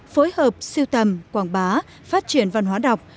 phối hợp siêu tầm quảng bá phát triển văn hóa đọc